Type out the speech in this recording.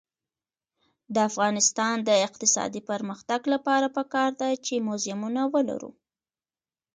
د افغانستان د اقتصادي پرمختګ لپاره پکار ده چې موزیمونه ولرو.